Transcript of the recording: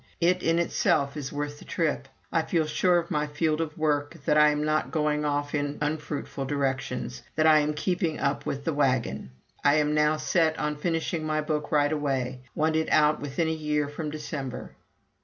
It in itself is worth the trip. I feel sure of my field of work; that I am not going off in unfruitful directions; that I am keeping up with the wagon. I am now set on finishing my book right away want it out within a year from December."